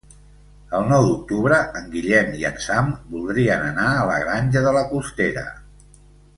El nou d'octubre en Guillem i en Sam voldrien anar a la Granja de la Costera.